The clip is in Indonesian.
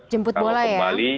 jemput bola ya